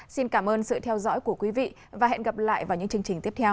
xin cảm ơn sự theo dõi của quý vị và hẹn gặp lại vào những chương trình tiếp theo